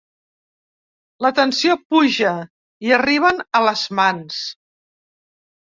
La tensió puja i arriben a les mans.